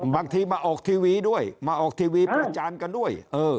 บางทีมาออกทีวีด้วยมาออกทีวีประจานกันด้วย